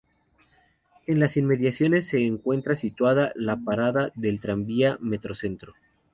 En las inmediaciones se encuentra situada la parada del tranvía Metrocentro.